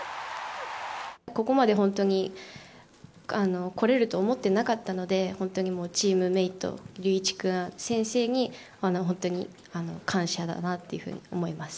ここまで本当に来れると思ってなかったので、本当にもう、チームメート、龍一君、先生に本当に感謝だなっていうふうに思います。